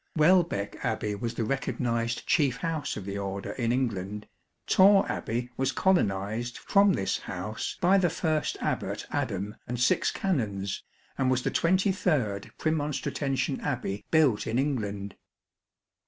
Welbeck Abbey was the recognised chief house of the Order in England ; Torre Abbey was colonised from this House by the first Abbat Adam and six Canons, and was the twenty third Premonstratensian Abbey built in England.